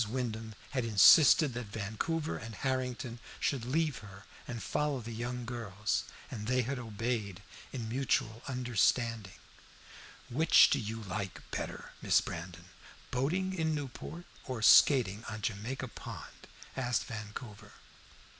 Wyndham had insisted that Vancouver and Harrington should leave her and follow the young girls, and they had obeyed in mutual understanding. "Which do you like better, Miss Brandon, boating in Newport or skating on Jamaica Pond?" asked Vancouver.